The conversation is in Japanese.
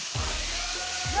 何？